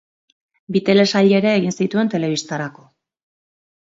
Bi telesail ere egin zituen telebistarako.